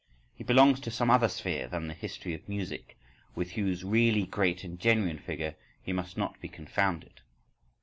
He belongs to some other sphere than the history of music, with whose really great and genuine figure he must not be confounded.